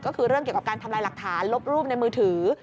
ก็คือเรื่องเกี่ยวกับการทำลายหลักฐานลบรูปในมือถือ